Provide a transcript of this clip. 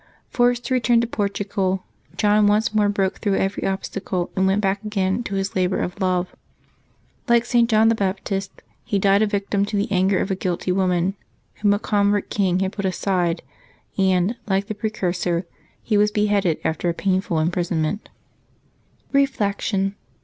Forced to return to Portugal, John once more broke through every obstacle, and went back again to his labor of love. Like St. John the Baptist, he died a victim to the anger of a guilty woman, whom a convert king had put aside, and, like the Precursor, he was beheaded after a painful imprisonment. 76 LIVES OF THE SAINTS [Febeuaby 17 Reflection.